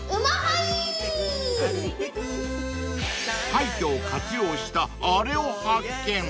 ［廃墟を活用したあれを発見］